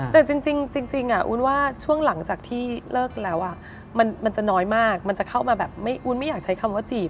แต่จริงวุ้นว่าช่วงหลังจากที่เลิกแล้วมันจะน้อยมากมันจะเข้ามาแบบไม่วุ้นไม่อยากใช้คำว่าจีบ